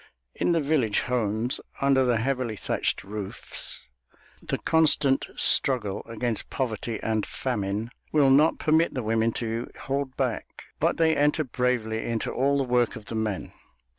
In the village homes, under the heavily thatched roofs, the constant struggle against poverty and famine will not permit the women to hold back, but they enter bravely into all the work of the men.